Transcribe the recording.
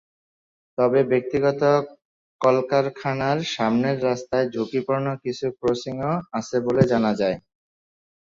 তবে ব্যক্তিগত কলকারখানার সামনের রাস্তায় ঝুঁকিপূর্ণ কিছু ক্রসিং আছে বলেও জানা যায়।